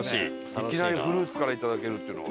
いきなりフルーツからいただけるっていうのは。